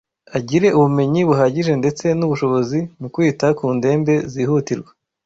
agire ubumenyi buhagije ndetse n’ubushobozi mu kwita ku ndembe zihutirwa